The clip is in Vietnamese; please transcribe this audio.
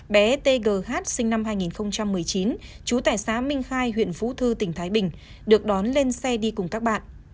bé tgh sinh năm hai nghìn một mươi chín trú tại xã minh khai huyện phú thư tỉnh thái bình được đón lên xe đi cùng các bạn